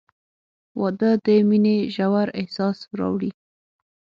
• واده د مینې ژور احساس راوړي.